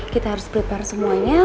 kita harus prepare semuanya